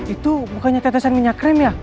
itu bukannya tetesan minyak rem ya